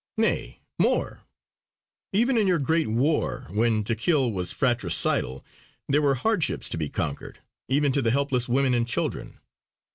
Nay more, even in your great war, when to kill was fratricidal, there were hardships to the conquered, even to the helpless women and children.